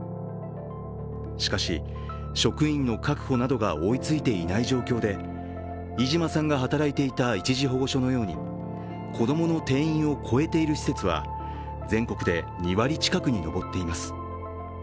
しかし、職員の確保などが追いついていない状況で飯島さんが働いていた一時保護所のように子供の定員を超えている施設は全国で２割近くに上っています。